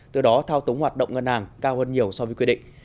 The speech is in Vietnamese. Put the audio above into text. từ đó thao túng hoạt động ngân hàng cao hơn nhiều so với quy định